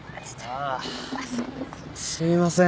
ああすいません。